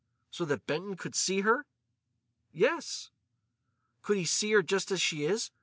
"So that Benton could see her?" "Yes." "Could he see her just as she is?